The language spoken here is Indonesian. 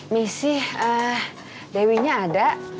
misi dewi nya ada